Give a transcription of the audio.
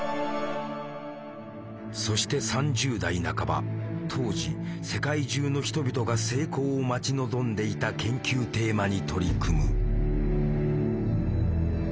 そして３０代半ば当時世界中の人々が成功を待ち望んでいた研究テーマに取り組む。